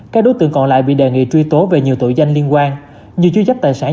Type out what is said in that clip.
các đối tượng còn lại bị đề nghị truy tố về nhiều tội danh liên quan như chú dắp tài sản